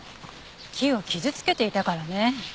木を傷つけていたからね。